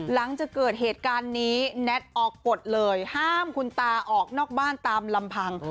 หลังจากเกิดเหตุการณ์นี้แน็ตออกกฎเลยห้ามคุณตาออกนอกบ้านตามลำพัง